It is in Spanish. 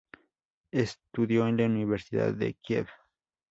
Estudió en la Universidad de Kiev.